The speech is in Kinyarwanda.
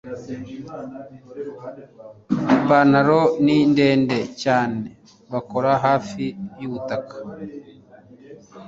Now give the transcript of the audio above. ipantaro ni ndende cyane bakora hafi yubutaka